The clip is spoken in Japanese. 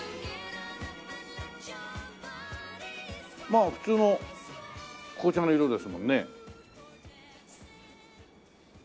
まあ普通の紅茶の色ですもんね。